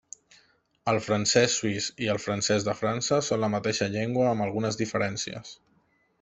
El francès suís i el francès de França són la mateixa llengua amb algunes diferències.